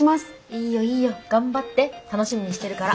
いいよいいよ頑張って楽しみにしてるから。